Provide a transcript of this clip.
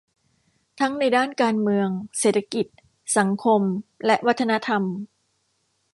ทั้งในด้านการเมืองเศรษฐกิจ สังคม และวัฒนธรรม